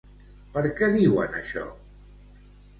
Per què diuen això?